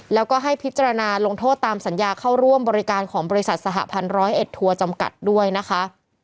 แล้วก็ให้พิจารณาลงโทษตามสัญญาเข้าร่วมบริการของบริษัทสหพันธ์ร้อยเอ็ดทัวร์จำกัดด้วยนะคะ